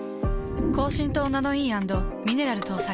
高浸透ナノイー＆ミネラル搭載。